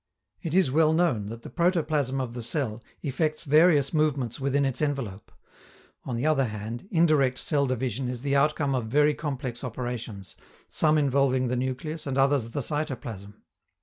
It is well known that the protoplasm of the cell effects various movements within its envelope; on the other hand, indirect cell division is the outcome of very complex operations, some involving the nucleus and others the cytoplasm.